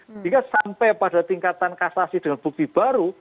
sehingga sampai pada tingkatan kasasi dengan bukti baru